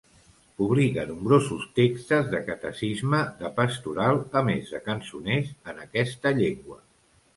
Publica nombrosos textos de catecisme, de pastoral, a més de cançoners en aquesta llengua.